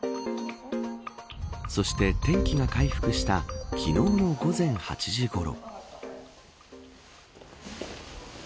そして、天気が回復した昨日の午前８時ごろ。